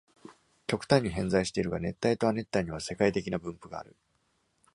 極端に偏在しているが、熱帯と亜熱帯には世界的な分布がある。